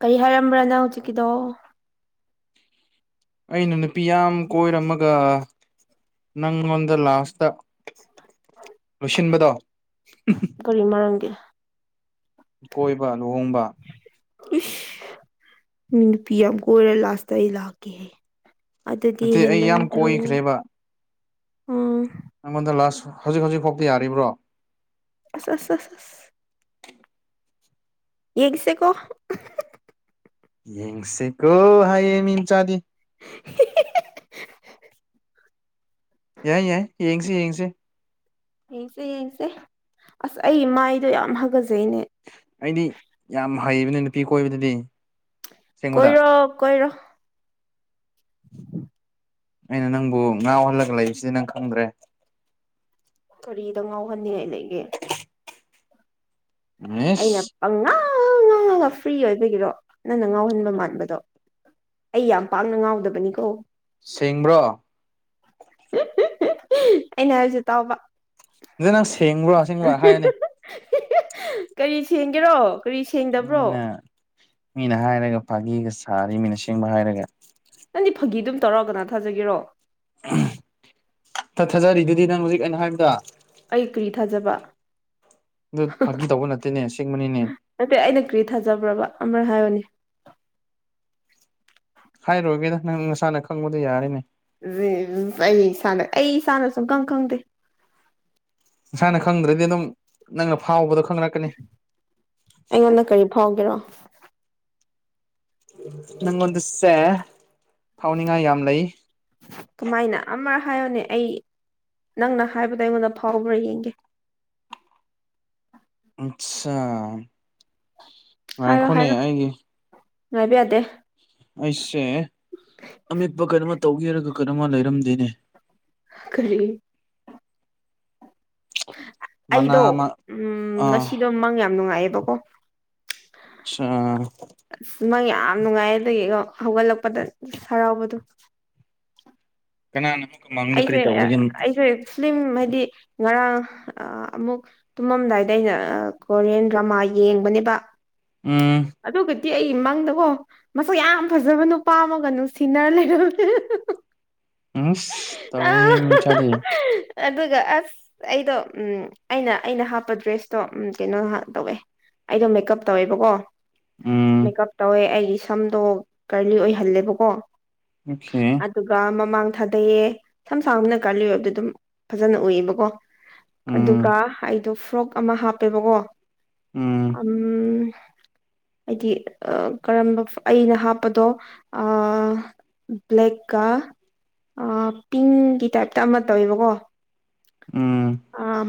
ꯀꯔꯤ ꯍꯥꯏꯔꯝꯕ꯭ꯔꯥ ꯅꯪ ꯍꯧꯖꯤꯛꯀꯤꯗꯣ ꯑꯩꯅ ꯅꯨꯄꯤ ꯌꯥꯝ ꯀꯣꯏꯔꯝꯃꯒ ꯅꯪꯉꯣꯟꯗ ꯂꯥꯁꯇ ꯂꯣꯏꯁꯤꯟꯕꯗꯣ ꯀꯔꯤ ꯃꯔꯝꯒꯤ ꯀꯣꯏꯕ ꯂꯨꯍꯣꯡꯕ ꯏꯁ ꯅꯨꯄꯤꯌꯥꯝ ꯀꯣꯏꯔ ꯂꯥꯁꯇꯥ ꯑꯩ ꯂꯥꯛꯀꯦꯌꯦ ꯑꯗꯨꯗꯤ ꯅꯠꯇꯦ ꯑꯩ ꯍꯦꯟꯃꯟ ꯌꯥꯝ ꯗꯔꯣ ꯀꯣꯏꯈ꯭ꯔꯦꯕ ꯑꯣ ꯅꯪꯉꯣꯟꯗ ꯂꯥꯁ ꯍꯧꯖꯤꯛ ꯍꯧꯖꯤꯛꯐꯥꯎꯗꯤ ꯌꯥꯔꯤꯕ꯭ꯔꯣ ꯑꯁ ꯑꯁ ꯑꯁ ꯌꯦꯡꯁꯦꯀꯣ ꯌꯦꯡꯁꯦꯀꯣ ꯍꯥꯏꯌꯦ ꯃꯤ ꯃꯆꯥꯗꯤ ꯍꯤ ꯍꯤ ꯍꯤ ꯍ ꯍ ꯌꯥꯏ ꯌꯥꯏ ꯌꯦꯡꯁꯤ ꯌꯦꯡꯁꯤ ꯌꯦꯡꯁꯦ ꯌꯦꯡꯁꯦ ꯑꯁ ꯑꯩ ꯃꯥꯏꯗꯣ ꯌꯥꯝ ꯍꯥꯒꯖꯩꯅꯦ ꯑꯩꯗꯤ ꯌꯥꯝ ꯍꯩꯕꯅꯤ ꯅꯨꯄꯤ ꯀꯣꯏꯕꯗꯗꯤ ꯑꯁꯦꯡꯕꯗ ꯀꯣꯏꯔꯣ ꯀꯣꯏꯔꯣ ꯑꯩꯅ ꯅꯪꯕꯨ ꯉꯥꯎꯍꯜꯂꯒ ꯂꯩꯕꯁꯤꯗꯤ ꯅꯪ ꯈꯪꯗ꯭ꯔꯦ ꯀꯔꯤꯗ ꯉꯥꯎꯍꯟꯅꯤꯡꯉꯥꯏ ꯂꯩꯒꯦ ꯑꯩꯅ ꯑꯦꯁ ꯄꯪꯉꯥꯡ ꯉꯥꯡꯉꯒ ꯐ꯭ꯔꯤ ꯑꯣꯏꯕꯒꯤꯔꯣ ꯅꯪꯅ ꯉꯥꯎꯍꯟꯕ ꯃꯥꯟꯕꯗꯣ ꯑꯩ ꯌꯥꯝ ꯄꯥꯛꯅ ꯉꯥꯎꯗꯕꯅꯤꯀꯣ ꯁꯦꯡꯕ꯭ꯔꯣ [unintelligible] ꯑꯩꯅ ꯍꯥꯏꯕꯁꯦ ꯇꯥꯎꯕ ꯁꯤꯗꯅꯪ ꯁꯦꯡꯕ꯭ꯔꯣ ꯑꯁꯦꯡꯕ ꯍꯥꯏꯌꯣꯅꯦ ꯍꯤ ꯍꯤ ꯀꯔꯤ ꯁꯦꯡꯒꯦꯔꯣ ꯀꯔꯤ ꯁꯦꯡꯗꯕ꯭ꯔꯣ ꯃꯤꯅ ꯃꯤꯅ ꯍꯥꯏꯔꯒ ꯐꯥꯒꯤꯒ ꯁꯥꯔꯤ ꯃꯤꯅ ꯑꯁꯦꯡꯕ ꯍꯥꯏꯔꯒ ꯅꯪꯗꯤ ꯐꯥꯒꯤ ꯑꯗꯨꯝ ꯇꯧꯔ ꯀꯅꯥꯅ ꯊꯥꯖꯒꯦꯔꯣ [unintelligible] ꯊꯥ ꯊꯥꯖꯔꯤꯗꯨꯗꯤ ꯅꯪ ꯍꯧꯖꯤꯛ ꯑꯩꯅ ꯍꯥꯏꯕꯗ ꯑꯩ ꯀ꯭ꯔꯤ ꯊꯥꯖꯕ ꯑꯗꯨ ꯐꯥꯒꯤ ꯇꯧꯕ ꯅꯠꯇꯦꯅꯦ ꯑꯁꯦꯡꯕꯅꯤꯅꯦ ꯅꯠꯇꯦ ꯑꯩꯅ ꯀ꯭ꯔꯤ ꯊꯥꯖꯕ꯭ꯔꯕ ꯑꯃꯔꯛ ꯍꯥꯏꯌꯣꯅꯦ ꯍꯥꯏꯔꯣꯏꯒꯦꯗ ꯅꯪ ꯅꯁꯥꯅ ꯈꯪꯕꯗꯣ ꯌꯥꯔꯦꯅꯦ [unintelligible] ꯑꯩ ꯏꯁꯥꯅ ꯑꯩ ꯏꯁꯥꯅ ꯁꯨꯝꯈꯪ ꯈꯪꯗꯦ ꯅꯁꯥꯅ ꯈꯪꯗ꯭ꯔꯗꯤ ꯑꯗꯨꯝ ꯅꯪꯅ ꯐꯥꯎꯕꯗꯣ ꯈꯪꯔꯛ ꯑꯩꯉꯣꯟꯗ ꯀꯔꯤ ꯐꯥꯎꯒꯦꯔꯣ ꯅꯪꯉꯣꯟꯗꯁꯦ ꯐꯥꯎꯅꯤꯡꯉꯥꯏ ꯌꯥꯝ ꯂꯩ ꯀꯃꯥꯏꯅ ꯑꯃꯔꯛ ꯍꯥꯏꯌꯣꯅꯦ ꯑꯩ ꯅꯪꯅ ꯍꯥꯏꯕꯗꯣ ꯑꯩꯉꯣꯟꯗ ꯐꯥꯎꯕ꯭ꯔꯥ ꯌꯦꯡꯒꯦ ꯑꯠꯁꯥ ꯍꯥꯏꯔꯣ ꯉꯥꯏꯈꯣꯅꯦ ꯍꯥꯏꯔꯣ ꯑꯩꯒꯤ ꯉꯥꯏꯕ ꯌꯥꯗꯦ ꯑꯩꯁꯦ ꯑꯃꯦꯠꯄ ꯀꯩꯅꯣꯃ ꯇꯧꯒꯦ ꯍꯥꯏꯔꯒ ꯀꯩꯅꯣꯃ ꯂꯩꯔꯝꯗꯦꯅꯦ ꯀꯔꯤ ꯃꯅꯥ ꯑꯩꯗꯣ ꯑꯃ ꯎꯝ ꯑꯥ ꯉꯁꯤꯗꯣ ꯃꯪ ꯌꯥꯝ ꯅꯨꯡꯉꯥꯏꯌꯦꯕꯀꯣ ꯑꯠꯁꯥ ꯑꯁ ꯃꯪ ꯌꯥꯝ ꯅꯨꯡꯉꯥꯏ ꯑꯗꯨꯒꯤꯀꯣ ꯍꯧꯒꯠꯂꯛꯄꯗ ꯍꯔꯥꯎꯕꯗꯣ ꯀꯅꯥ ꯅꯃꯤꯡ ꯀꯨ ꯃꯪ ꯑꯩꯁꯦ ꯑꯩꯁꯦ ꯐꯤꯂꯤꯝ ꯍꯥꯏꯗꯤ ꯉꯔꯥꯡ ꯑꯃꯨꯛ ꯇꯨꯝꯃꯝꯗꯥꯏꯗ ꯑꯩꯅ ꯀꯣꯔꯤꯌꯥꯟ ꯗ꯭ꯔꯃꯥ ꯌꯦꯡꯕꯅꯦꯕ ꯎꯝ ꯑꯗꯨꯒꯗꯤ ꯑꯩ ꯃꯪꯗꯀꯣ ꯃꯁꯛ ꯌꯥꯝ ꯐꯖꯕ ꯅꯨꯄꯥ ꯑꯃꯒ ꯅꯨꯡ ꯁꯤꯅꯔ ꯂꯩꯔꯝꯃꯦ ꯎꯝꯁ ꯑ ꯇꯧꯋꯦꯍꯦ ꯃꯤ ꯃꯆꯥꯗꯤ ꯑꯗꯨꯒ ꯑꯁ ꯑꯩꯗꯣ ꯎꯝ ꯑꯩꯅ ꯑꯩꯅ ꯍꯥꯞꯄ ꯗ꯭ꯔꯦꯁꯇꯣ ꯎꯝ ꯀꯩꯅꯣ ꯇꯧꯋꯦ ꯑꯩꯗꯣ ꯃꯦꯀꯞ ꯇꯧꯋꯦꯕꯀꯣ ꯎꯝ ꯃꯦꯀꯞ ꯇꯧꯋꯦ ꯑꯩꯒꯤ ꯁꯝꯗꯣ ꯀꯔꯂꯤ ꯑꯣꯏꯍꯜꯂꯦꯕꯀꯣ ꯑꯣꯈꯦ ꯑꯗꯨꯒ ꯃꯃꯥꯡ ꯊꯥꯗꯩꯌꯦ ꯁꯝ ꯁꯥꯡꯕꯅꯤꯅ ꯀꯔꯂꯤ ꯑꯣꯏꯕꯗꯣ ꯑꯗꯨꯝ ꯐꯖꯅ ꯎꯏꯌꯦꯕꯀꯣ ꯑꯗꯨꯒ ꯎꯝ ꯑꯩꯗꯣ ꯐ꯭ꯔꯣꯛ ꯑꯃ ꯍꯥꯞꯄꯦꯕꯀꯣ ꯎꯝ ꯎꯝ ꯍꯥꯏꯗꯤ ꯀꯔꯝꯕ ꯑꯩꯅ ꯍꯥꯞꯄꯗꯣ ꯑ ꯕ꯭ꯂꯦꯛꯀꯥ ꯄꯤꯡꯒꯤ ꯇꯥꯏꯞꯇ ꯑꯃ ꯇꯧꯋꯦꯕꯀꯣ ꯎꯝ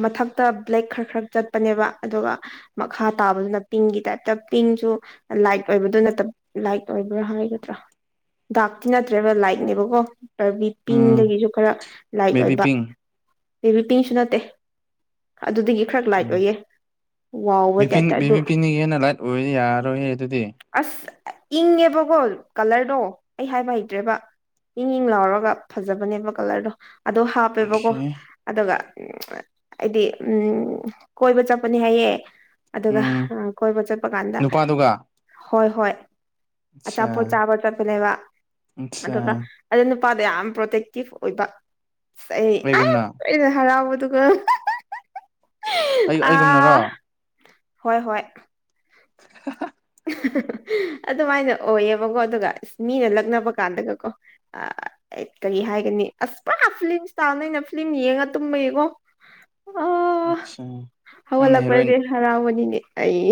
ꯃꯊꯛ ꯇ ꯕ꯭ꯂꯦꯛ ꯈꯔ ꯈꯔ ꯆꯠꯄꯅꯦꯕ ꯑꯗꯨꯒ ꯃꯈꯥ ꯇꯥꯕꯗꯨꯅ ꯄꯤꯡꯒꯤ ꯇꯥꯏꯞꯇ ꯄꯤꯡꯁꯨ ꯂꯥꯏꯠ ꯑꯣꯏꯕꯗꯨ ꯅꯠꯇꯕ ꯂꯥꯏꯠ ꯑꯣꯏꯕ꯭ꯔꯥ ꯍꯥꯏꯒꯗ꯭ꯔꯥ ꯗꯥꯛꯛꯇꯤ ꯅꯠꯇ꯭ꯔꯦꯕ ꯂꯥꯏꯠꯅꯦꯕꯀꯣ ꯔꯔꯕꯤ ꯎꯝ ꯄꯤꯡꯗꯒꯤꯁꯨ ꯈꯔ ꯂꯥꯏꯠ ꯕꯦꯕꯤ ꯑꯣꯏꯕ ꯄꯤꯡ ꯕꯤ ꯄꯤꯡꯁꯨ ꯅꯠꯇꯦ ꯑꯗꯨꯗꯒꯤ ꯈꯔ ꯂꯥꯏꯠ ꯑꯣꯏꯌꯦ ꯋꯥꯎꯕ ꯕꯤ ꯄꯤꯡ ꯇꯥꯏꯞꯇ ꯕꯤ ꯑꯗꯨ ꯕꯤ ꯄꯤꯟꯗꯒꯤ ꯍꯦꯟꯅ ꯂꯥꯏꯠ ꯑꯣꯏꯔꯗꯤ ꯌꯥꯔꯣꯏꯍꯦ ꯑꯗꯨꯗꯤ ꯑꯁ ꯑ ꯏꯪꯉꯦꯕꯀꯣ ꯀꯂꯔꯗꯣ ꯑꯩ ꯍꯥꯏꯕ ꯍꯩꯇ꯭ꯔꯦꯕ ꯄꯤꯡ ꯂꯥꯎꯔꯒ ꯐꯖꯕꯅꯦꯕ ꯀꯂꯔꯗꯣ ꯑꯗꯣ ꯍꯥꯞꯄꯦꯕꯀꯣ ꯑꯣꯀꯦ ꯑꯗꯨꯒ ꯎꯝ ꯆ ꯑꯩꯗꯤ ꯎꯝ ꯀꯣꯏꯕ ꯆꯠꯄꯅꯤ ꯍꯥꯏꯌꯦ ꯑꯗꯨꯒ ꯎꯝ ꯑ ꯀꯣꯏꯕ ꯆꯠꯄꯀꯥꯟꯗ ꯅꯨꯄꯥꯗꯨꯒ ꯍꯣꯏ ꯍꯣꯏ ꯑꯠꯆꯥ ꯑꯆꯥꯄꯣꯠ ꯆꯥꯕ ꯆꯠꯄꯅꯦꯕ ꯑꯠꯆꯥ ꯑꯗꯨꯒ ꯑꯗꯨ ꯅꯨꯄꯥꯗꯣ ꯌꯥꯝ ꯄ꯭ꯔꯣꯇꯦꯛꯇꯤꯞ ꯑꯣꯏꯕ ꯑꯩ ꯑꯥ ꯑꯩꯒꯨꯝꯅ ꯑꯩꯗꯤ ꯍꯔꯥꯎꯕꯗꯨꯨꯒ ꯑꯩ ꯍ ꯑꯩꯒꯨꯝꯅꯔꯣ ꯑꯥ ꯍꯣꯏ ꯍꯣꯏ ꯍꯍꯥ ꯍ ꯍ ꯍ ꯑꯗꯨꯃꯥꯏꯅ ꯑꯣꯏꯌꯦꯕꯀꯣ ꯑꯗꯨꯒ ꯏꯁ ꯃꯤꯅ ꯂꯛꯅꯕꯀꯥꯟꯗꯒꯀꯣ ꯑꯩ ꯀꯔꯤ ꯍꯥꯏꯒꯅꯤ ꯑꯁ ꯄꯨꯔꯥ ꯐꯤꯂꯝ ꯏꯁꯇꯥꯜ ꯑꯩꯅ ꯐꯤꯂꯝ ꯌꯦꯡꯉ ꯇꯨꯝꯕꯒꯤꯀꯣ ꯑꯣ ꯑꯠꯆꯥ ꯅꯪꯅ ꯍꯦꯔꯣꯏꯟ ꯍꯧꯒꯠꯂꯛꯄꯗꯗꯤ ꯍꯔꯥꯎꯕꯅꯤꯅꯦ ꯑꯩ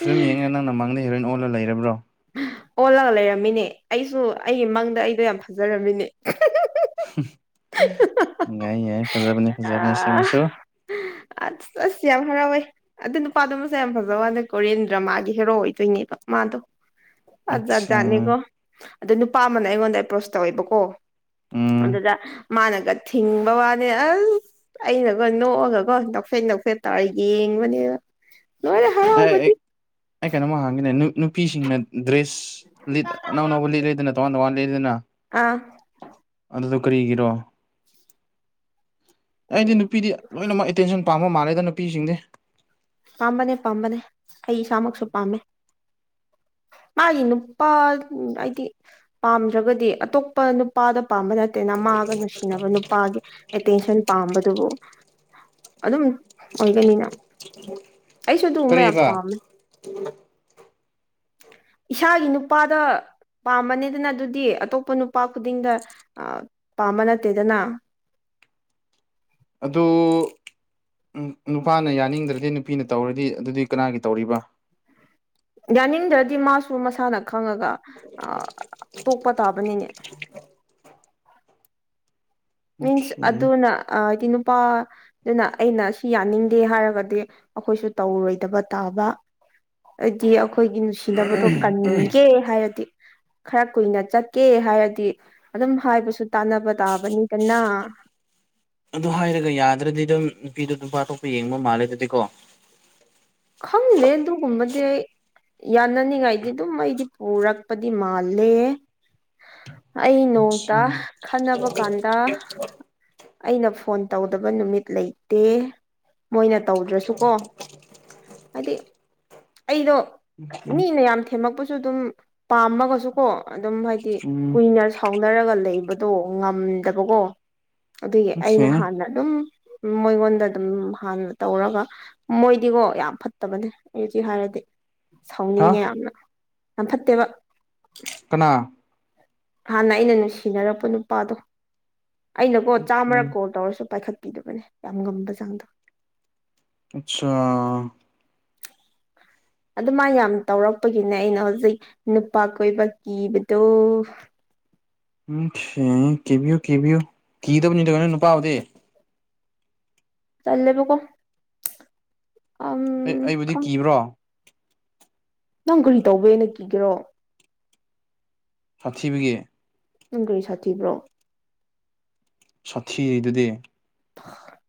ꯐꯤꯂꯝ ꯌꯦꯡꯉꯒ ꯅꯪꯅ ꯃꯥꯡꯗ ꯍꯦꯔꯣꯏꯟ ꯑꯣꯜꯂ ꯂꯩꯔꯕ꯭ꯔꯣ ꯍ ꯑꯣꯜꯂꯒ ꯂꯩꯔꯝꯃꯤꯅꯦ ꯑꯩꯁꯨ ꯑꯩꯒꯤ ꯃꯪꯗ ꯑꯩꯗꯣ ꯌꯥꯝ ꯐꯖꯔꯝꯃꯤꯅꯦ ꯍꯝ ꯌꯥꯏ ꯌꯥꯏ ꯐꯖꯕꯅꯦ ꯐꯖꯕꯅꯦ ꯑꯁꯦꯡꯕꯁꯨ ꯍ ꯑꯁ ꯑꯁ ꯌꯥꯝ ꯍꯔꯥꯎꯏ ꯑꯗꯨ ꯅꯨꯄꯥꯗꯨ ꯃꯁꯛ ꯌꯥꯝ ꯐꯖꯕ ꯋꯥꯅꯦ ꯀꯣꯔꯤꯌꯟ ꯗ꯭ꯔꯃꯥꯒꯤ ꯍꯦꯔꯣ ꯑꯣꯏꯗꯣꯏꯅꯦꯕ ꯃꯥꯗꯣ ꯑ ꯑꯠꯆꯥ ꯖꯥꯠꯖꯥꯠꯅꯤꯀꯣ ꯑꯗꯣ ꯅꯨꯄꯥ ꯑꯃꯅ ꯑꯩꯉꯣꯟꯗ ꯑꯦꯄ꯭ꯔꯣꯁ ꯇꯧꯋꯦꯕꯀꯣ ꯎꯝ ꯑꯗꯨꯗ ꯃꯥꯅꯒ ꯊꯤꯡꯕ ꯋꯥꯅꯦ ꯑꯁ ꯑꯩꯅꯒꯣ ꯅꯣꯛꯑꯒꯀꯣ ꯅꯣꯛꯐꯦꯠ ꯅꯣꯀꯐꯦꯠ ꯇꯧꯔ ꯌꯦꯡꯕꯅꯦꯅ ꯂꯣꯏꯔꯦ ꯑꯩ ꯍꯔꯥꯎꯕꯗꯤ ꯑꯩ ꯑꯩ ꯀꯩꯅꯣꯃ ꯍꯪꯒꯦꯅꯦ ꯅꯨ-ꯅꯨꯄꯤꯁꯤꯡꯅ ꯗ꯭ꯔꯦꯁ ꯂꯤꯠ ꯑꯅꯧ ꯑꯅꯧꯕ ꯂꯤꯠꯂꯤꯗꯅ ꯇꯣꯉꯥꯟ ꯇꯣꯉꯥꯟ ꯂꯤꯠꯂꯤꯗꯅ ꯑꯥ ꯑꯗꯨꯗꯣ ꯀꯔꯤꯒꯤꯔꯣ ꯑꯩꯗꯤ ꯅꯨꯄꯤꯗꯤ ꯂꯣꯏꯅꯃꯛ ꯑꯦꯇꯦꯟꯁꯟ ꯄꯥꯝꯕ ꯃꯥꯜꯂꯦꯗ ꯅꯨꯄꯤꯁꯤꯡꯗꯤ ꯄꯥꯝꯕꯅꯦ ꯄꯥꯝꯕꯅꯦ ꯑꯩ ꯏꯁꯥꯃꯛꯁꯨ ꯄꯥꯝꯃꯦ ꯃꯥꯒꯤ ꯅꯨꯄꯥꯗꯨ ꯑꯩꯗꯤ ꯄꯥꯝꯗ꯭ꯔꯒꯗꯤ ꯑꯇꯣꯞꯄ ꯅꯨꯄꯥꯗ ꯄꯥꯝꯕ ꯅꯠꯇꯦꯅ ꯃꯥꯒ ꯅꯨꯡꯁꯤꯅꯕ ꯅꯨꯄꯥꯒꯤ ꯑꯦꯇꯦꯟꯁꯟ ꯄꯥꯝꯕꯗꯨꯕꯨ ꯑꯗꯨꯝ ꯑꯣꯏꯒꯅꯤꯅ [inaudible] ꯑꯩꯁꯨ ꯑꯗꯨꯒꯨꯝꯕ ꯌꯥꯝ ꯀꯔꯤꯕ ꯄꯥꯝꯃꯦ ꯏꯁꯥꯒꯤ ꯅꯨꯄꯥꯗ ꯄꯥꯝꯕꯅꯦꯗꯅ ꯑꯗꯨꯗꯤ ꯑꯇꯣꯞꯄ ꯅꯨꯄꯥ ꯈꯨꯗꯤꯡꯗ ꯑ ꯄꯥꯝꯕ ꯅꯠꯇꯦꯗꯅ ꯑꯗꯣ ꯎꯝ ꯅꯨꯄꯥꯅ ꯌꯥꯅꯤꯡꯗ꯭ꯔꯗꯤ ꯅꯨꯄꯤꯅ ꯇꯧꯔꯗꯤ ꯑꯗꯨꯗꯤ ꯀꯅꯥꯒꯤ ꯇꯧꯔꯤꯕ ꯌꯥꯅꯤꯡꯗ꯭ꯔꯗꯤ ꯃꯥꯁꯨ ꯃꯁꯥꯅ ꯈꯪꯉꯒ [inaudible] ꯇꯣꯛꯄ ꯇꯥꯕꯅꯤꯅꯦ ꯑꯣꯀꯦ ꯃꯤꯟꯁ ꯑꯗꯨꯅ ꯑ ꯍꯥꯏꯗꯤ ꯅꯨꯄꯥꯗꯨꯅ ꯑꯩꯅ ꯁꯤ ꯌꯥꯅꯤꯡꯗꯦ ꯍꯥꯏꯔꯒꯗꯤ ꯑꯩꯈꯣꯏꯁꯨ ꯇꯧꯔꯣꯏꯗꯕ ꯇꯥꯕ ꯍꯥꯏꯗꯤ ꯑꯩꯈꯣꯏꯒꯤ ꯅꯨꯡꯁꯤ ꯁꯤꯗꯕꯗꯣ ꯀꯟꯒꯦ ꯍꯥꯏꯔꯗꯤ ꯈꯔ ꯀꯨꯏꯅ ꯆꯠꯀꯦ ꯍꯥꯏꯔꯗꯤ ꯑꯗꯨꯝ ꯍꯥꯏꯕꯁꯨ ꯇꯥꯟꯅꯕ ꯇꯥꯕꯅꯤꯗꯅꯥ ꯑꯗꯨ ꯍꯥꯏꯔꯒ ꯌꯥꯗ꯭ꯔꯗꯤ ꯑꯗꯨꯝ ꯅꯨꯄꯤꯗꯣ ꯅꯨꯄꯥ ꯑꯇꯣꯞꯄ ꯌꯦꯡꯕ ꯃꯥꯜꯂꯦ ꯑꯗꯨꯗꯤꯀꯣ ꯈꯪꯗꯦ ꯑꯗꯨꯒꯨꯝꯕꯗꯤ ꯑꯩ ꯌꯥꯅꯅꯤꯡꯉꯥꯏꯗꯤ ꯑꯗꯨꯝ ꯑꯩꯗꯤ ꯄꯨꯔꯛꯄꯗꯤ ꯃꯥꯜꯂꯦ ꯑꯩ ꯅꯣꯡꯇ ꯑꯆꯥ ꯈꯠꯅꯕ ꯀꯥꯟꯗ ꯑꯩꯅ ꯐꯣꯟ ꯇꯧꯗꯕ ꯅꯨꯃꯤꯠ ꯂꯩꯇꯦ ꯃꯣꯏꯅ ꯇꯧꯗ꯭ꯔꯁꯨꯀꯣ ꯍꯥꯏꯗꯤ ꯑꯩꯗꯣ ꯑꯣꯀꯦ ꯃꯤꯅ ꯌꯥꯝ ꯊꯦꯝꯃꯛꯄꯁꯨ ꯑꯗꯨꯝ ꯄꯥꯝꯃꯒꯁꯨ ꯀꯣ ꯑꯗꯨꯝ ꯍꯥꯏꯗꯤ ꯎꯝ ꯀꯨꯏꯅ ꯁꯥꯎꯅꯔꯒ ꯂꯩꯕꯗꯣ ꯉꯝꯗꯕꯀꯣ ꯑꯗꯨꯒꯤ ꯑꯣꯀꯦ ꯑꯩꯅ ꯍꯥꯟꯅ ꯑꯗꯨꯝ ꯃꯣꯏꯉꯣꯟꯗ ꯑꯗꯨꯝ ꯍꯥꯟꯅ ꯇꯧꯔꯒ ꯃꯣꯏ ꯗꯤꯒꯣ ꯌꯥꯝ ꯐꯠꯇꯕꯅꯦ ꯑꯩ ꯍꯧꯖꯤꯛ ꯍꯥꯏꯔꯗꯤ ꯍꯥ ꯁꯥꯎꯅꯤꯡꯉꯦ ꯌꯥꯝꯅ ꯌꯥꯝ ꯐꯠꯇꯦꯕ ꯀꯅꯥ ꯍꯥꯟꯅ ꯑꯩꯅ ꯅꯨꯡꯁꯤꯅꯔꯛꯄ ꯅꯨꯄꯥꯗꯣ ꯑꯩꯅꯀꯣ ꯆꯥꯝꯃꯔꯛ ꯀꯣꯜ ꯇꯧꯔꯁꯨ ꯄꯥꯏꯈꯠꯄꯤꯗꯕꯅꯦ ꯌꯥꯝ ꯉꯝꯕ ꯆꯥꯡꯗ ꯑꯁꯥ ꯑꯗꯨꯃꯥꯏꯅ ꯌꯥꯝ ꯇꯧꯔꯛꯄꯒꯤꯅꯦ ꯑꯩꯅ ꯍꯧꯖꯤꯛ ꯅꯨꯄꯥ ꯀꯣꯏꯕ ꯀꯤꯕꯗꯣ ꯎꯝ ꯊꯤꯅꯤ ꯀꯤꯕꯤꯌꯨ ꯀꯤꯕꯤꯌꯨ ꯀꯤꯗꯩꯕꯅꯤꯗꯣ ꯑꯗꯣ ꯅꯨꯄꯥꯕꯨꯗꯤ ꯇꯜꯂꯦꯕꯀꯣ ꯑꯝ ꯑꯩ ꯑꯩꯕꯨꯗꯤ ꯈꯪꯗꯦ ꯀꯤꯕ꯭ꯔꯣ ꯅꯪ ꯀꯔꯤ ꯇꯧꯕꯩ ꯑꯩꯅ ꯀꯤꯒꯦꯔꯣ ꯁꯥꯊꯤꯕꯒꯤ ꯅꯪ ꯀꯔꯤ ꯁꯥꯊꯤꯕ꯭ꯔꯣ ꯁꯥꯊꯤꯔꯤꯗꯨꯗꯤ [unintelligible]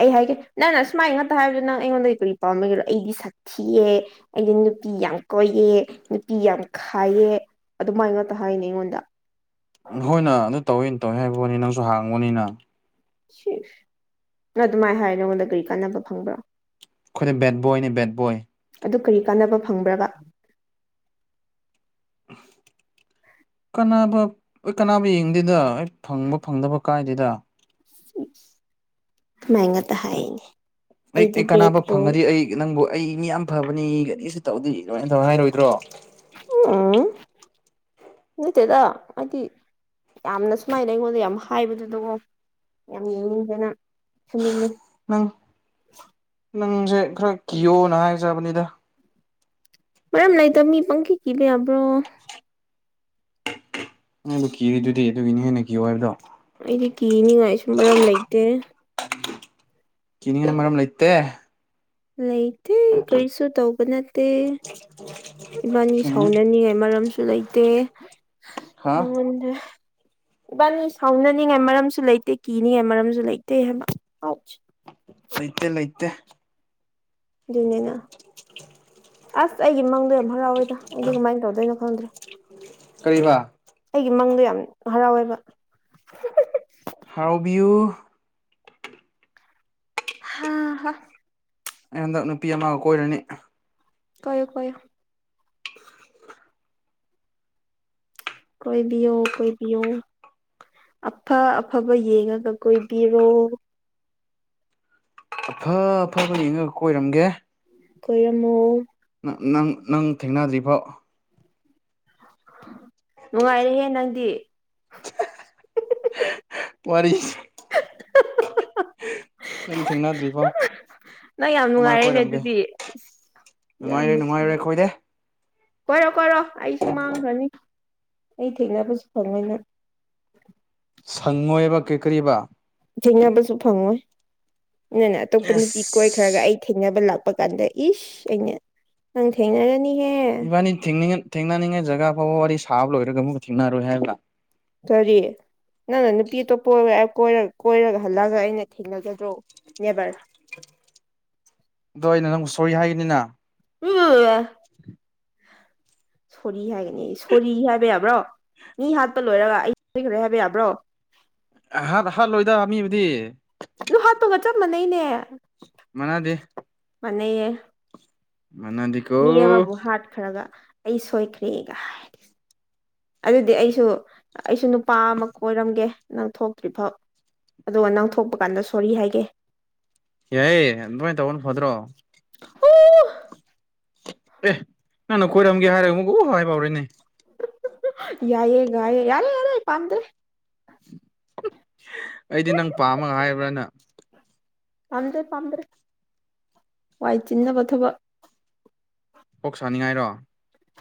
ꯑꯩ ꯍꯥꯏꯒꯦ ꯅꯪ ꯑꯁꯨꯃꯥꯏꯅ ꯉꯥꯛꯇ ꯍꯥꯏꯕꯗꯣ ꯅꯪ ꯑꯩꯉꯣꯟꯗꯒꯤ ꯀꯔꯤ ꯄꯥꯝꯕꯒꯤꯔ ꯑꯩꯗꯤ ꯁꯥꯊꯤꯑꯦ ꯑꯩꯗꯤ ꯅꯨꯄꯤ ꯌꯥꯝ ꯀꯣꯏꯑꯦ ꯅꯨꯄꯤ ꯌꯥꯝ ꯈꯥꯏꯑꯦ ꯑꯗꯨꯃꯥꯏꯅ ꯉꯥꯇ ꯍꯥꯏꯅꯦ ꯑꯩꯉꯣꯟꯗ ꯍꯣꯏ ꯅ ꯑꯗꯨ ꯇꯧꯋꯤ ꯇꯧꯏ ꯍꯥꯏꯕꯣꯅꯤ ꯅꯪꯁꯨ ꯍꯥꯡꯕꯅꯤꯅ ꯁꯤ ꯅꯪ ꯑꯗꯨꯃꯥꯏꯅ ꯍꯥꯏ ꯅꯪꯉꯣꯟꯗ ꯀꯔꯤ ꯀꯥꯟꯅꯕ ꯐꯪꯕ꯭ꯔꯥ ꯈꯣꯏꯅ ꯕꯦꯠꯕꯣꯏꯅꯦ ꯕꯦꯠ ꯕꯣꯏ ꯑꯗꯨ ꯀꯔꯤ ꯀꯥꯟꯅꯕ ꯐꯪꯕ꯭ꯔꯥꯕ [inaudible] ꯀꯥꯅꯕ ꯀꯥꯅꯕ ꯌꯦꯡꯗꯦꯗ ꯑꯩ ꯐꯪꯕ ꯐꯪꯗꯕ ꯀꯥꯏꯗꯦꯗ ꯃꯥꯢꯉꯥꯛꯇ ꯍꯥꯏꯅꯦ ꯑꯩ ꯑꯩꯗꯤ ꯑꯩ ꯕꯦꯠ ꯀꯥꯟꯅꯕ ꯕꯣꯏ ꯐꯪꯉꯗꯤ ꯑꯩ ꯅꯪꯕꯨ ꯑꯩ ꯃꯤ ꯌꯥꯝ ꯐꯕꯅꯤ ꯀꯔꯤꯁꯨ ꯇꯧꯗꯤ ꯂꯣꯏꯅ ꯇꯧ ꯍꯥꯏꯔꯣꯏꯗ꯭ꯔꯣ ꯎꯡ ꯅꯠꯇꯦꯗ ꯍꯥꯏꯗꯤ ꯌꯥꯝꯅ ꯁꯨꯃꯥꯏꯅ ꯑꯩꯉꯣꯟꯗ ꯌꯥꯝ ꯍꯥꯏꯕꯗꯨꯗꯀ‌ꯣ ꯌꯥꯝ ꯌꯦꯡꯅꯤꯡꯗꯦ ꯅꯪ ꯐꯨꯅꯤꯡꯉꯤ ꯅꯪ ꯅꯪꯖꯦ ꯈꯔ ꯀꯤꯌꯣꯅ ꯍꯥꯏꯖꯕꯅꯤꯗ ꯃꯔꯝ ꯂꯩꯇ ꯃꯤ ꯄꯪꯀꯤ ꯀꯤꯕ ꯌꯥꯕ꯭ꯔ‌ꯣ [inaudible] ꯅꯪꯕꯨ ꯀꯤꯔꯤꯗꯨꯗꯤ ꯑꯗꯨꯒꯤꯅꯤ ꯍꯦꯟꯅ ꯀꯤꯌꯣ ꯍꯥꯏꯕꯗꯣ ꯑꯩꯗꯤ ꯀꯤꯅꯤꯡꯉꯥꯏꯁꯨ ꯃꯔꯝ ꯂꯩꯇꯦ ꯀꯤꯅꯤꯡꯉꯥꯢ ꯃꯔꯝ ꯂꯩꯇꯦ ꯂꯩ ꯇꯦ ꯀꯔꯤꯁꯨ ꯇꯧꯕ ꯅꯠꯇꯦ ꯏꯕꯥꯅꯤ ꯁꯥꯎꯅꯅꯤꯡꯉꯥꯏ ꯃꯔꯝꯁꯨ ꯂꯩ ꯇꯦ ꯍꯥ ꯅꯪꯉꯣꯟꯗ ꯏꯕꯥꯅꯤ ꯁꯥꯎꯅꯅꯤꯡꯉꯥꯏ ꯃꯔꯝꯁꯨ ꯂꯩꯇꯦ ꯀꯤꯅꯤꯡꯉꯥꯏ ꯃꯔꯝꯁꯨ ꯂꯩꯇꯦ ꯍꯥꯏꯕ ꯑꯥꯎꯠꯁ ꯂꯩꯇꯦ ꯂꯩꯇꯦ ꯑꯗꯨꯅꯤꯅ ꯑꯁ ꯑꯩꯒꯤ ꯃꯪꯗ‌ꯣ ꯌꯥꯝ ꯍꯔꯥꯎꯢꯗ ꯑꯩꯗꯤ ꯀꯃꯥꯏ ꯇꯧꯗꯣꯏꯅꯣ ꯈꯪꯗ꯭ꯔꯦ ꯀꯔꯤꯕ ꯑꯩꯒꯤ ꯃꯪꯗꯣ ꯌꯥꯝ ꯍꯔꯥꯎꯌ‌ꯦꯕ ꯍꯔꯥꯎꯕꯤꯌꯨ ꯍꯥꯥ ꯍ ꯑꯩ ꯍꯟꯗꯛ ꯅꯨꯄꯤ ꯑꯃꯒ ꯀꯣꯏꯔꯅꯤ ꯀꯣꯏꯌꯨ ꯀꯣꯏꯌꯨ ꯀꯣꯏꯕꯤꯌꯣ ꯀꯣꯏꯕꯤꯌꯣ ꯑꯐ ꯑꯐꯕ ꯌꯦꯡꯉꯒ ꯀꯣꯏꯕꯤꯔꯣ ꯑꯐ ꯑꯐꯕ ꯌꯦꯡꯉꯒ ꯀꯣꯏꯔꯝꯒꯦ ꯀꯣꯏꯔꯝꯃꯣ ꯅ ꯅꯪ ꯅꯪ ꯊꯦꯡꯅꯗ꯭ꯔꯤꯐꯥꯎ ꯅꯨꯡꯉꯥꯏꯔꯦꯍꯦ ꯅꯪꯗꯤ ꯋꯥꯔꯤꯁ ꯅꯪ ꯊꯦꯡꯅꯗ꯭ꯔꯤꯐꯥꯎ ꯅꯪ ꯌꯥꯝ ꯑꯃ ꯅꯨꯡꯉꯥꯏꯔꯦꯅꯦ ꯀꯣꯏꯔꯝꯒꯦ ꯑꯗꯨꯗꯤ ꯅꯨꯡꯉꯥꯏꯔꯦ ꯌꯥꯝꯕ ꯅꯨꯡꯉꯥꯏꯔꯦ [unintelligible] ꯑꯩꯈꯣꯏꯗꯤ ꯀꯣꯏꯔꯣ ꯀꯣꯏꯔꯣ ꯑꯩꯁꯨ ꯃꯥꯡꯈ꯭ꯔꯅꯤ ꯑꯩ ꯊꯦꯡꯅꯕꯁꯨ ꯐꯪꯉꯣꯏꯅꯪ ꯁꯪꯉꯣꯏꯕ ꯀꯩꯀꯔꯤꯕ ꯊꯦꯡꯅꯕꯁꯨ ꯐꯪꯉꯣꯏ ꯅꯪꯅ ꯑꯇꯣꯞꯄ ꯅꯨꯄꯤ ꯀꯣꯏ ꯈꯔꯒ ꯑꯁ ꯑꯩ ꯊꯦꯡꯅꯕ ꯂꯥꯛꯄ ꯀꯥꯟꯗ ꯏꯁ ꯑꯩꯅ ꯅꯪ ꯊꯦꯡꯅꯔꯅꯤ ꯏꯕꯥꯅꯤ ꯊꯦꯡꯅꯤꯡ ꯊꯦꯡꯅꯅꯤꯡꯉꯥꯏ ꯖꯒꯥ ꯐꯥꯎꯕ ꯋꯥꯔꯤ ꯁꯥꯕ ꯂꯣꯏꯔꯒ ꯑꯃꯨꯛ ꯊꯦꯡꯅꯔꯣꯏ ꯍꯥꯏꯕꯥ ꯀꯔꯤ ꯅꯪꯅ ꯅꯨꯄꯤ ꯑꯇꯣꯞꯄ [unintelligible] ꯀꯣꯏꯔ ꯀꯣꯏꯔꯒ ꯍꯜꯂꯛꯑꯒ ꯑꯩꯅ ꯊꯦꯡꯅꯒꯗ꯭ꯔꯣ ꯅꯦꯕꯔ ꯑꯗꯣ ꯑꯩꯅ ꯅꯪꯕꯨ ꯁꯣꯔꯤ ꯍꯥꯏꯒꯅꯤꯅ [unintelligible] [inaudible] [inaudible] ꯁꯣꯔꯤ ꯍꯥꯏꯒꯅꯤ ꯁꯣꯔꯤ ꯍꯥꯏꯕ ꯌꯥꯕ꯭ꯔꯣ ꯃꯤ ꯍꯥꯠꯄ ꯂꯣꯏꯔꯒ ꯑꯩ ꯁꯣꯏꯈ꯭ꯔꯦ ꯍꯥꯏꯕ ꯌꯥꯕ꯭ꯔꯣ ꯑꯍ ꯍꯥꯠ ꯍꯥꯠꯂꯣꯏꯗ ꯃꯤꯕꯨꯗꯤ ꯑꯗꯨ ꯍꯥꯠꯄꯒ ꯆꯞ ꯃꯥꯟꯅꯩꯅꯦ ꯃꯥꯅꯗꯦ ꯃꯥꯅꯩꯌꯦ ꯃꯥꯅꯗꯤ ꯃꯤ ꯑꯃꯕꯨ ꯍꯥꯠꯈ꯭ꯔꯒ ꯑꯩ ꯁꯣꯏꯈ꯭ꯔꯦꯒ ꯑꯗꯨꯗꯤ ꯑꯩꯁꯨ ꯑꯩꯁꯨ ꯅꯨꯄꯥ ꯑꯃ ꯀꯣꯏꯔꯝꯒꯦ ꯅꯪ ꯊꯣꯛꯇ꯭ꯔꯤꯐꯥꯎ ꯑꯗꯨꯒ ꯅꯪ ꯊꯣꯛꯄ ꯀꯥꯟꯗ ꯁꯣꯔꯤ ꯍꯥꯏꯒꯦ ꯌꯥꯏꯑꯦ ꯑꯗꯨꯃꯥꯏꯅ ꯇꯧꯕꯅ ꯐꯗ꯭ꯔꯣ ꯎ ꯑꯦ ꯅꯪꯅ ꯀꯣꯏꯔꯝꯒꯦ ꯍꯥꯏꯔꯒ ꯑꯃꯨꯛꯀ ꯑꯣ ꯍꯥꯏꯕ ꯍꯧꯔꯦꯅꯦ ꯌꯥꯏꯌꯦ ꯒꯥꯏꯌꯦ ꯌꯥꯔꯦ ꯌꯥꯔꯦ ꯄꯥꯝꯗ꯭ꯔꯦ ꯑꯩꯗꯤ ꯅꯪ ꯄꯥꯝꯃꯒ ꯍꯥꯏꯕ꯭ꯔꯥꯅ ꯄꯥꯝꯗ꯭ꯔꯦ ꯄꯥꯝꯗ꯭ꯔꯦ ꯋꯥꯏ ꯆꯤꯟꯅꯕ ꯊꯕꯛ ꯀꯣꯛ ꯁꯥꯥꯅꯤꯡꯉꯥꯏꯔꯣ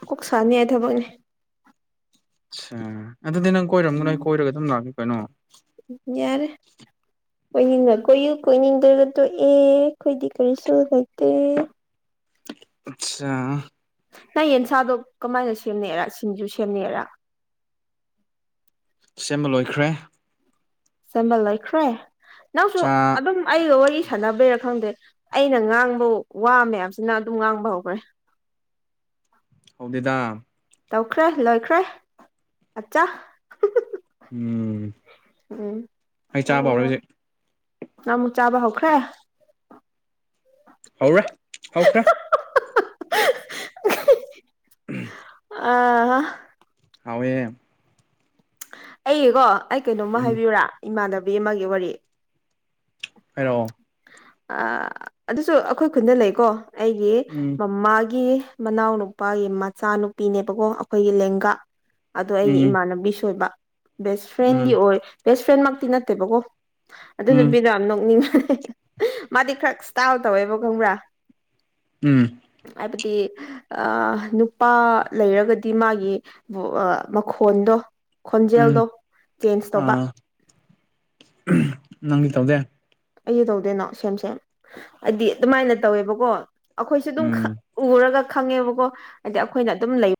ꯀꯣꯛ ꯁꯥꯅꯤꯉꯥꯏ ꯊꯕꯛꯅꯦ ꯁ ꯑꯗꯨꯗꯤ ꯅꯪ ꯀꯣꯏꯔꯝꯒꯅꯣ ꯑꯩ ꯀꯣꯏꯔꯒ ꯑꯗꯨꯝ ꯂꯥꯛꯀꯦ ꯀꯩꯅꯣ ꯌꯥꯔꯦ ꯀꯣꯏꯅꯤꯡꯉ ꯀꯣꯏꯌꯨ ꯀꯣꯏꯅꯤꯡꯗ꯭ꯔꯒ ꯇꯣꯛꯑꯦ ꯑꯩꯈꯣꯏꯗꯤ ꯀꯔꯤꯁꯨ ꯂꯩꯇꯦ ꯑꯠꯁꯥ ꯅꯪ ꯌꯦꯟꯁꯥꯗꯣ ꯀꯃꯥꯏꯅ ꯁꯦꯝꯅꯩꯔꯥ ꯁꯤꯡꯖꯨ ꯁꯦꯝꯅꯩꯔꯥ ꯁꯦꯝꯕ ꯂꯣꯏꯈ꯭ꯔꯦ ꯁꯦꯝꯕ ꯂꯣꯏꯈ꯭ꯔꯦ ꯅꯪꯁꯨ ꯆꯥ ꯑꯗꯨꯝ ꯑꯩꯒ ꯋꯥꯔꯤ ꯁꯥꯟꯅꯕꯩꯔꯥ ꯈꯪꯗꯦ ꯑꯩꯅ ꯉꯥꯡꯕ ꯋꯥ ꯃꯌꯥꯝꯁꯤ ꯅꯪ ꯑꯗꯨꯝ ꯉꯥꯡꯕ ꯍꯧꯈ꯭ꯔꯦ ꯍꯧꯗꯦꯗꯥ ꯇꯧꯈ꯭ꯔꯦ ꯂꯣꯏꯈ꯭ꯔꯦ ꯑꯠꯆꯥ ꯎꯝ ꯎꯝ ꯑꯩ ꯆꯥꯕ ꯍꯧꯔꯦ ꯅꯪꯅ ꯍꯧꯖꯤꯛ ꯑꯃꯨꯛ ꯆꯥꯕ ꯍꯧꯈ꯭ꯔꯦ ꯍꯥꯎꯔꯦ ꯍꯥꯎꯈ꯭ꯔꯦ ꯑꯥ ꯍꯥ ꯍꯥꯎꯋꯦ ꯑꯩꯒꯤꯀꯣ ꯑꯩ ꯀꯩꯅꯣꯝꯃ ꯎꯝ ꯍꯥꯏꯕꯤꯌꯨꯔꯥ ꯏꯃꯥꯟꯅꯕꯤ ꯑꯃꯒꯤ ꯋꯥꯔꯤ ꯍꯥꯏꯔꯛꯑꯣ ꯑꯥ ꯑꯗꯨꯁꯨ ꯑꯩꯈꯣꯏ ꯈꯨꯟꯗ ꯂꯩꯀꯣ ꯑꯩꯒꯤ ꯎꯝ ꯃꯃꯥꯒꯤ ꯃꯅꯥꯎꯅꯨꯄꯥꯒꯤ ꯃꯆꯥꯅꯨꯄꯤꯅꯦꯕꯀꯣ ꯑꯩꯈꯣꯏꯒꯤ ꯂꯦꯡꯒꯥ ꯑꯗꯣ ꯑꯩꯒꯤ ꯎꯝ ꯏꯃꯥꯟꯅꯕꯤꯁꯨ ꯑꯣꯏꯕ ꯕꯦꯁ ꯐ꯭ꯔꯦꯟꯗꯤ ꯎꯝ ꯑꯣꯏ ꯕꯦꯁ ꯐ꯭ꯔꯦꯟꯃꯛꯇꯤ ꯅꯠꯇꯦꯕꯀꯣ ꯑꯗꯨ ꯎꯝ ꯅꯨꯄꯤꯗꯣ ꯌꯥꯝ ꯅꯣꯛꯅꯤꯡꯕꯅꯦ ꯃꯥꯗꯤ ꯈꯔ ꯏꯁꯇꯥꯏꯜ ꯇꯧꯋꯦꯕ ꯈꯪꯕ꯭ꯔꯥ ꯎꯝ ꯍꯥꯏꯕꯗꯤ ꯑ ꯅꯨꯄꯥ ꯂꯩꯔꯒꯗꯤ ꯃꯥꯒꯤ ꯋꯨ ꯑꯥ ꯃꯈꯣꯟꯗꯣ ꯎꯝ ꯈꯣꯟꯖꯦꯜꯗꯣ ꯆꯦꯟꯖ ꯇꯧꯕ ꯑꯥ ꯅꯪꯗꯤ ꯇꯧꯗꯦ ꯑꯩꯁꯨ ꯇꯧꯗꯦꯅꯥ ꯁꯦꯝ ꯁꯦꯝ ꯍꯥꯏꯗꯤ ꯑꯗꯨꯃꯥꯏꯅ ꯇꯧꯋꯦꯕꯀꯣ ꯑꯩꯈꯣꯏꯁꯨ ꯑꯗꯨꯝ ꯎꯝ ꯈꯪ ꯎꯔꯒ ꯈꯪꯉꯦꯕꯀꯣ ꯑꯗꯤ ꯑꯩꯈꯣꯏꯅ ꯑꯗꯨꯝ ꯂꯩ